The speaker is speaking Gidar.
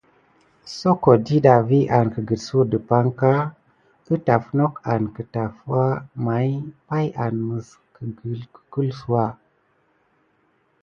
Soko diɗa vi an kəgəksouwa dəpaŋka ətaf nok an kətafwa may pay an kəpelsouwa.